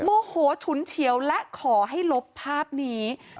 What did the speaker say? โมโหฉุนเฉียวและขอให้ลบภาพนี้